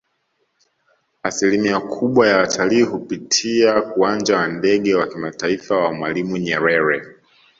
Asilimia kubwa ya watalii hupitia uwanja wa Ndege wa kimataifa wa Mwalimu Nyerere